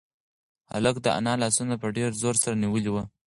هلک د انا لاسونه په ډېر زور سره نیولي وو.